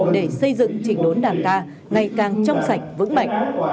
để xây dựng trình đốn đảng ta ngày càng trong sạch vững mạnh